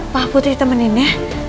pak putri temenin ya